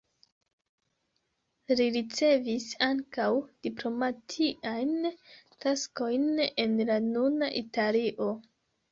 Li ricevis ankaŭ diplomatiajn taskojn en la nuna Italio.